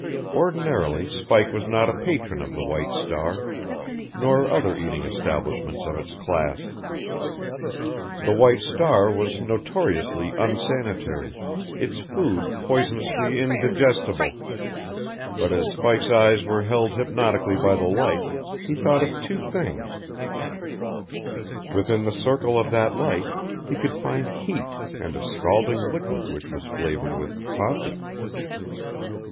Ordinarily Spike was not a patron of the White Star, nor other eating establishments of its class. The White Star was notoriously unsanitary, its food poisonously indigestible; but as Spike's eyes were held hypnotically by the light he thought of two things within the circle of that light he could find heat and a scalding liquid which was flavored with coffee.